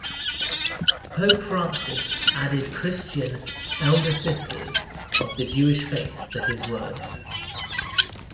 Pope Francis added Christian "elder sisters" of the Jewish faith to his words.